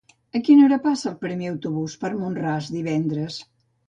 A quina hora passa el primer autobús per Mont-ras divendres?